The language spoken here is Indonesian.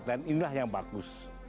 dan inilah yang bagus